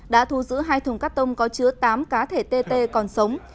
đã thu giữ hai thùng cắt tông có chứa tám cá thể tt còn sống